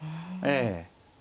ええ。